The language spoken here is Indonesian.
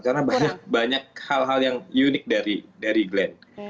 karena banyak hal hal yang unik dari glenn